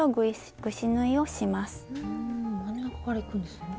ふん真ん中からいくんですね。